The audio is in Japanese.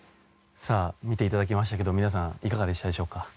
さあ見ていただきましたけど皆さんいかがでしたでしょうか？